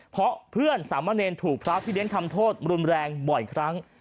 เพราะเพื่อนสามะเนรถูกพระพี่เลี้ยงทำโทษรุนแรงบ่อยครั้ง